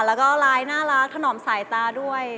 แล้วก็ลายน่ารักถนอมสายตาด้วย